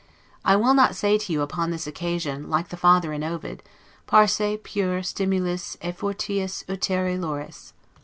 I will not say to you, upon this occasion, like the father in Ovid, "Parce, puer, stimulis, et fortius utere loris."